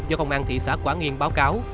do công an thị xã quảng yên báo cáo